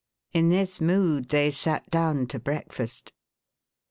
In this mood they sat down to breakfast.